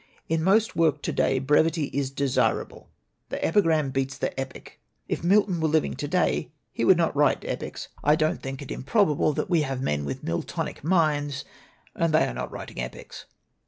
In most work to day brevity is desirable. The epi gram beats the epic. If Milton were living to day he would not write epics. I don't think it improbable that we have men with Miltonic minds, and they are not writing epics.